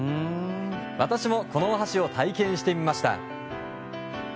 私も、このお箸を体験してみました。